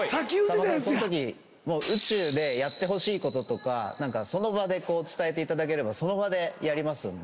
宇宙でやってほしいこととかその場で伝えていただければその場でやりますんで。